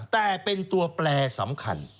แต่เป็นตัวแปลสำคัญ